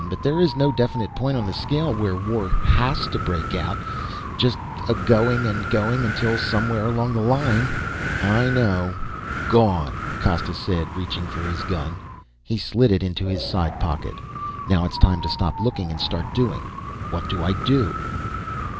But there is no definite point on the scale where war has to break out. Just a going and going until, somewhere along the line " "I know. Gone." Costa said, reaching for his gun. He slid it into his side pocket. "Now it's time to stop looking and start doing. What do I do?"